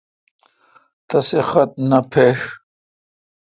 تسےخط نے پھݭ۔